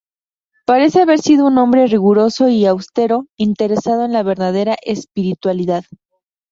Parece haber sido un hombre riguroso y austero, interesado en la verdadera espiritualidad.